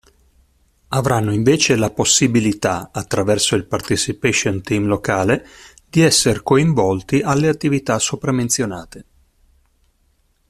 Avranno, invece, la possibilità, attraverso il participation team locale, di esser coinvolti alle attività sopra menzionate.